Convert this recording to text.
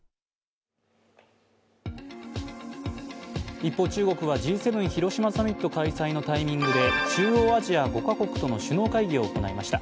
一方、中国はＧ７広島サミット開催のタイミングで中央アジア５か国との首脳会議を行いました。